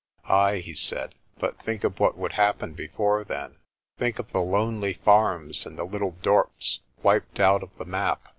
"Ay," he said, "but think of what would happen before then. Think of the lonely farms and the little dorps wiped out of the map.